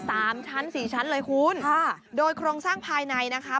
สามชั้นสี่ชั้นเลยคุณค่ะโดยโครงสร้างภายในนะคะ